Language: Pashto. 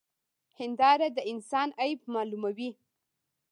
هنداره د انسان عيب معلوموي.